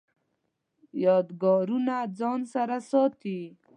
یادګارونه ځان سره ساتئ؟